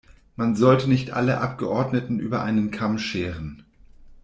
Man sollte nicht alle Abgeordneten über einen Kamm scheren.